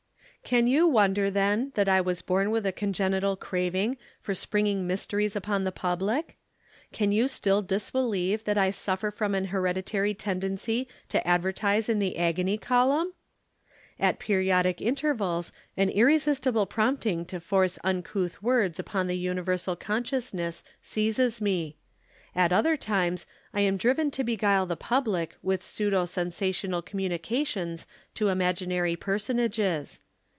"'Can you wonder, then, that I was born with a congenital craving for springing mysteries upon the public? Can you still disbelieve that I suffer from an hereditary tendency to advertise in the agony column? "'At periodic intervals an irresistible prompting to force uncouth words upon the universal consciousness seizes me; at other times I am driven to beguile the public with pseudo sensational communications to imaginary personages.